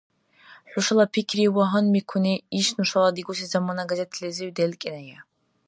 ХӀушала пикри ва гьанбикуни иш нушала дигуси Замана газетализи делкӀеная.